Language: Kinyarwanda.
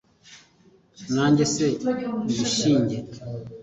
nanjye se mbishinge